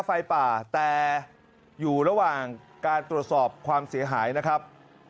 ไฟป่าแต่อยู่ระหว่างการตรวจสอบความเสียหายนะครับ